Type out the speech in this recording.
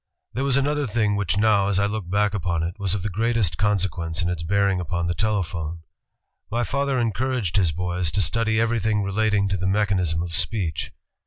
*' There was another thing which now, as I look back upon it, was of the greatest consequence in its bearing upon the telephone. My father encouraged his boys to study everything relating to the mechanism of speech.